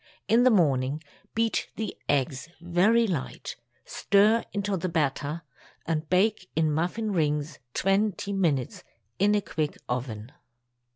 In the morning beat the eggs very light, stir into the batter, and bake in muffin rings twenty minutes in a quick oven.